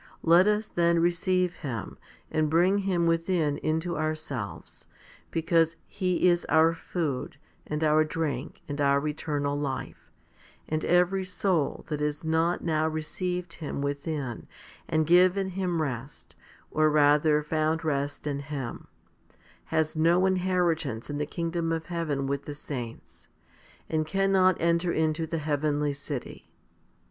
Let us then receive Him, and bring Him within into ourselves; because He is pur food and our drink and our eternal life, and every soul that has not now received Him within and given Him rest, or rather found rest in Him, has no inheritance in the kingdom of heaven with the saints, and cannot enter into the heavenly city.